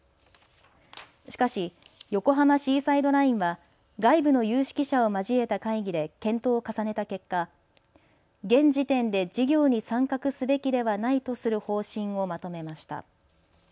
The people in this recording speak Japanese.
しかし横浜シーサイドラインは外部の有識者を交えた会議で検討を重ねた結果、現時点で事業に参画すべきではないとする方針をまとめました。